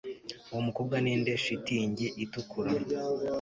Uwo mukobwa ninde shitingi itukura